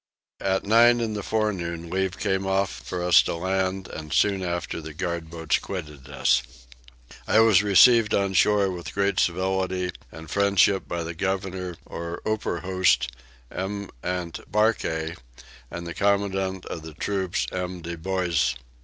At nine in the forenoon leave came off for us to land and soon after the guard boats quitted us. I was received on shore with great civility and friendship by the governor or Opperhoost M. Ant. Barkay, and the commandant of the troops M. de Bose.